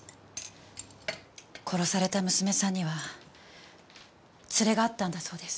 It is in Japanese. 殺された娘さんには連れがあったんだそうです。